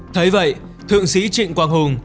thế vậy thượng sĩ trịnh quang hùng